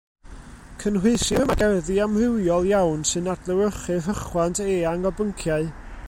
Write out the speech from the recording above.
Cynhwysir yma gerddi amrywiol iawn sy'n adlewyrchu rhychwant eang o bynciau.